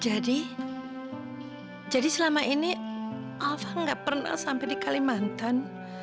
jadi jadi selama ini alva gak pernah sampai di kalimantan